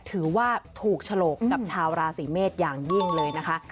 ถือว่าถูกฉลกกับชาวราศีเมษอย่างยิ่งเลยนะคะ